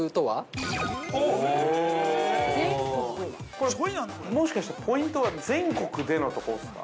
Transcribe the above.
◆これ、もしかしてポイントは「全国で」のところですか。